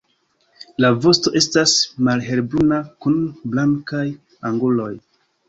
La vosto estas malhelbruna kun blankaj anguloj.